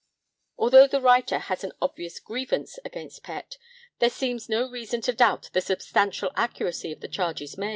Although the writer has an obvious grievance against Pett, there seems no reason to doubt the substantial accuracy of the charges made.